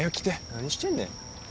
何してんねん。